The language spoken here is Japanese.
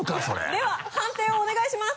では判定をお願いします。